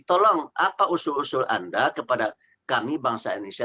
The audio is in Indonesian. tolong apa usul usul anda kepada kami bangsa indonesia